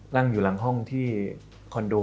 นั่งอยู่หลังห้องที่คอนโด